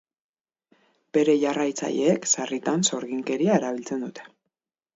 Bere jarraitzaileek sarritan sorginkeria erabiltzen dute.